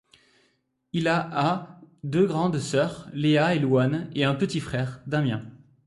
Il a a deux grandes sœurs, Lea et Louane, et un petit frère, Damien.